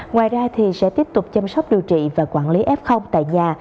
ngoài ra sẽ tiếp tục chăm sóc điều trị và quản lý f tại nhà